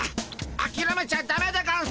あきらめちゃダメでゴンス。